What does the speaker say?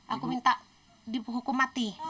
aku minta dihukum mati